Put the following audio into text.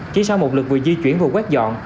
chỉ sau một lần vừa di chuyển vừa quét dọn